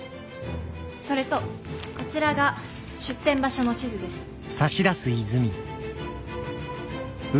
それとこちらが出店場所の地図です。